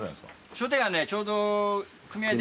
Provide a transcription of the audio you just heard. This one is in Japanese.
商店街はちょうど。